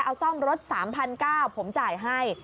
เอาซ่อมรถ๓๙๐๐บาทผมจ่ายให้